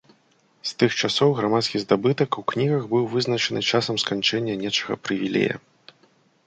З тых часоў грамадскі здабытак у кнігах быў вызначаны часам сканчэння нечага прывілея.